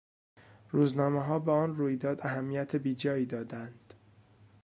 روزنامهها به آن رویداد اهمیت بیجایی دادند.